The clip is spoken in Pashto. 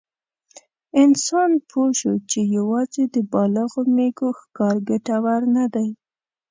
انسان پوه شو چې یواځې د بالغو مېږو ښکار ګټور نه دی.